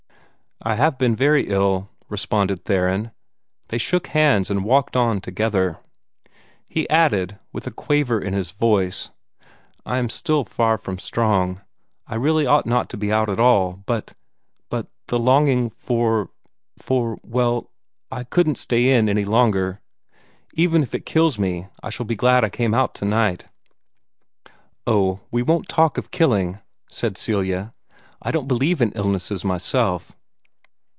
"I have been very ill," responded Theron, as they shook hands and walked on together. He added, with a quaver in his voice, "I am still far from strong. I really ought not to be out at all. But but the longing for for well, I COULDN'T stay in any longer. Even if it kills me, I shall be glad I came out tonight." "Oh, we won't talk of killing," said Celia. "I don't believe in illnesses myself."